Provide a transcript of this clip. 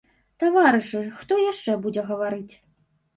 Таварышы, хто яшчэ будзе гаварыць.